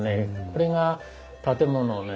これが建物をね